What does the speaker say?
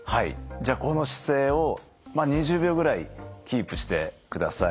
じゃあこの姿勢を２０秒ぐらいキープしてください。